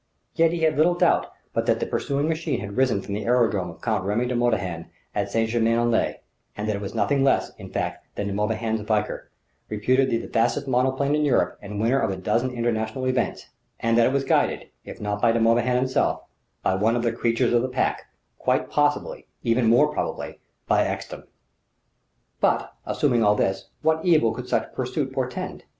Yet he had little doubt but that the pursuing machine had risen from the aerodrome of Count Remy de Morbihan at St. Germain en Laye; that it was nothing less, in fact, than De Morbihan's Valkyr, reputed the fastest monoplane in Europe and winner of a dozen International events; and that it was guided, if not by De Morbihan himself, by one of the creatures of the Pack quite possibly, even more probably, by Ekstrom! But assuming all this what evil could such pursuit portend?